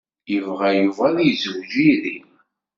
Yebɣa Yuba ad yezweǧ yid-i.